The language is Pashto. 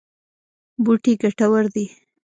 بوټي ګټور دي.